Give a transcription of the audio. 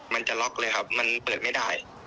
มันจะล็อกเลยครับมันเปิดไม่ได้